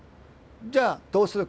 じゃあどうするか。